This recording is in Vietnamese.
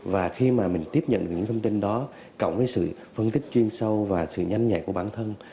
và khi mà mình tiếp nhận được những thông tin đó cộng với sự phân tích chuyên sâu và sự nhanh nhạy của bản thân